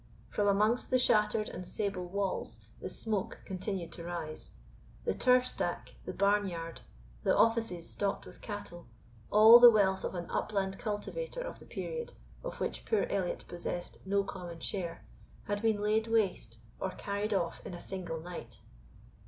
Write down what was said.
From amongst the shattered and sable walls the smoke continued to rise. The turf stack, the barn yard, the offices stocked with cattle, all the wealth of an upland cultivator of the period, of which poor Elliot possessed no common share, had been laid waste or carried off in a single night.